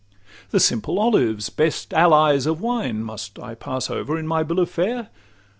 The simple olives, best allies of wine, Must I pass over in my bill of fare?